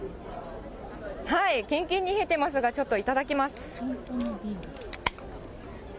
きんきんに冷えていますが、ちょっといただきます。